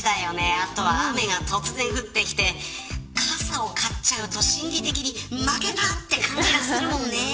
あとは雨が突然降ってきて傘を買っちゃうと心理的に負けたという感じがするもんね。